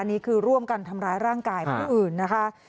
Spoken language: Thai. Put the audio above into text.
นี่คือร่วมกันทำร้ายร่างกายผู้อื่นนะคะ